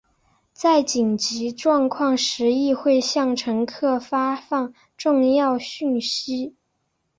在紧急状况时亦会向乘客发放重要讯息。